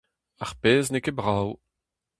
Ar pezh n'eo ket brav.